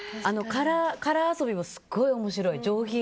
カラー遊びもすごい面白い、上品。